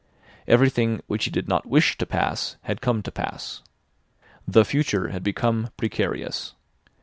Everything which he did not wish to pass had come to pass. The future had become precarious.